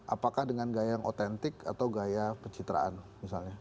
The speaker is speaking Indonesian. apakah dengan gaya yang otentik atau gaya pencitraan misalnya